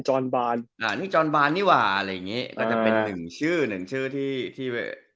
อนบานอ่านี่จอนบานนี่ว่าอะไรอย่างงี้ก็จะเป็นหนึ่งชื่อหนึ่งชื่อที่ที่